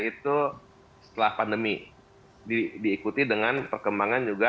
itu setelah pandemi diikuti dengan perkembangan juga